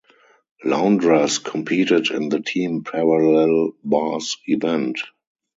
Loundras competed in the team parallel bars event.